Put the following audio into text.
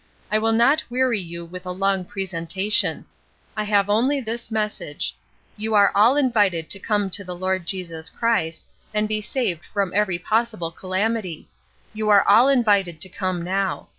I will not weary you with a long presentation; I have only this message: you are all invited to come to the Lord Jesus Christ, and be saved from every possible calamity; you are all invited to come now.